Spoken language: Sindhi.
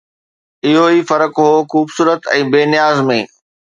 اهو ئي فرق هو خوبصورت ۽ بي نياز ۾